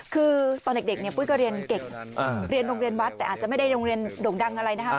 คือตอนเด็กเนี่ยปุ้ยก็เรียนเก่งเรียนโรงเรียนวัดแต่อาจจะไม่ได้โรงเรียนโด่งดังอะไรนะครับ